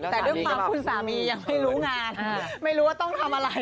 แต่ด้วยความคุณสามียังไม่รู้งานไม่รู้ว่าต้องทำอะไร